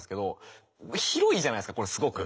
広いじゃないですかこれすごく。